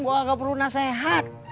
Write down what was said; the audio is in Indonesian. gua gak perlu nasehat